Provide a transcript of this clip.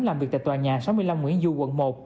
làm việc tại tòa nhà sáu mươi năm nguyễn du quận một